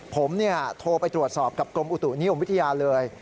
ผมโทรไปตรวจสอบกับกรมอุตุนิยมวิทยาเลย